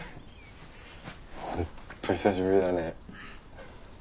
本当久しぶりだね。